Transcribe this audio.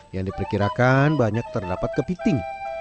yang diperkirakan banyak terdapat kepiting